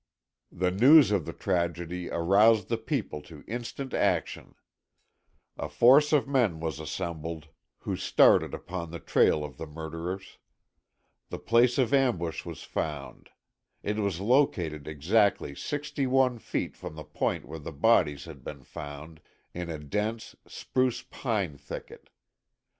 The news of the tragedy aroused the people to instant action. A force of men was assembled, who started upon the trail of the murderers. The place of ambush was found. It was located exactly sixty one feet from the point where the bodies had been found, in a dense spruce pine thicket.